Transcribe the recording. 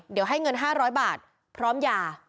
เดี๋ยวให้เงิน๕๐๐บาทพร้อมยา